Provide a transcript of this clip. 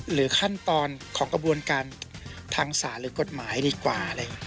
หรือขั้นตอนของกระบวนการทางศาลหรือกฎหมายดีกว่า